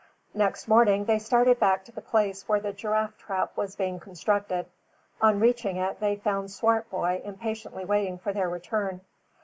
Next morning, they started back to the place where the giraffe trap was being constructed. On reaching it, they found Swartboy impatiently waiting for their return.